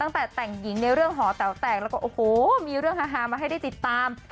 ตั้งแต่แต่งหญิงในเรื่องหอแต๋วแต่งแล้วก็โอ้โหมีเรื่องฮามาให้ได้ติดตาม